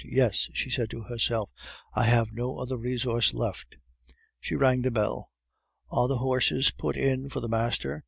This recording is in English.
Yes," she said to herself, "I have no other resource left." She rang the bell. "Are the horses put in for the master?"